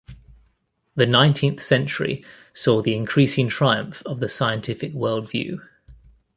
The nineteenth century saw the increasing triumph of the scientific worldview.